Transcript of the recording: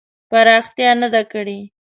پراختیا نه ده کړې.